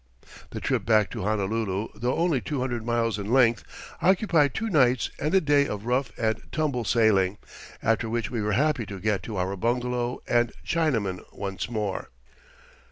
The trip back to Honolulu, though only two hundred miles in length, occupied two nights and a day of rough and tumble sailing, after which we were happy to get to our bungalow and Chinaman once more.